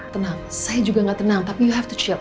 tenang saya juga gak tenang tapi have to chip